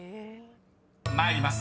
［参ります。